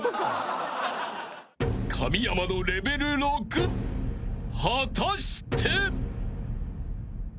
［神山のレベル６果たして？］